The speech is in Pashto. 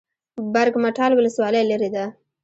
برګ مټال ولسوالۍ لیرې ده؟